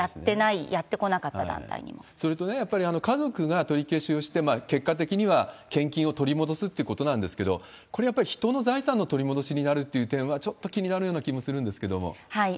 やってない、それとね、やっぱり家族が取り消しをして、結果的には献金を取り戻すってことなんですけど、これやっぱり、人の財産の取り戻しになるっていう点は、ちょっと気になるような気もするんですけれども。